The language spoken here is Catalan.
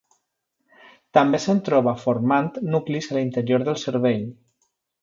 També se'n troba formant nuclis a l'interior del cervell.